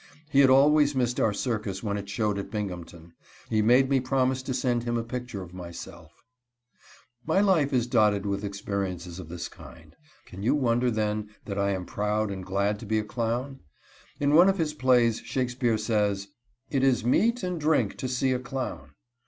He had always missed our circus when it showed at Binghamton. He made me promise to send him a picture of myself. [Illustration: "IT IS GOOD TO BE A CLOWN."] My life is dotted with experiences of this kind. Can you wonder, then, that I am proud and glad to be a clown? In one of his plays Shakespeare says: "_It is meat and drink to see a clown.